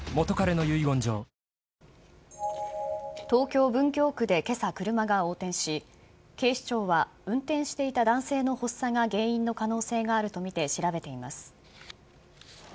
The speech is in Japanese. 東京・文京区でけさ、車が横転し、警視庁は、運転していた男性の発作が原因の可能性があると見て調べています。